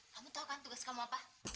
kamu tau kan tugas kamu apa